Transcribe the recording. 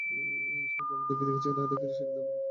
Jalaluddin কী দেখেছে না-দেখেছে, সেটা তার প্রবলেম, তোমার নয়।